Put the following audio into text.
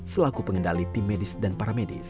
seorang pengendali tim medis dan paramedis